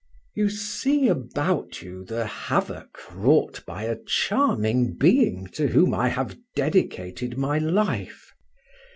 "You see about you the havoc wrought by a charming being to whom I have dedicated my life.